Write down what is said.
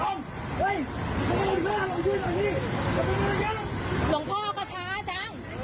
หลวงพ่อก็ช้าจัง